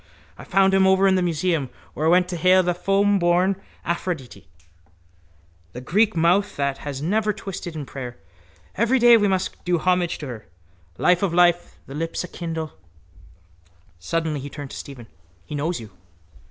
I found him over in the museum where I went to hail the foamborn Aphrodite. The Greek mouth that has never been twisted in prayer. Every day we must do homage to her. Life of life, thy lips enkindle. Suddenly he turned to Stephen: —He knows you.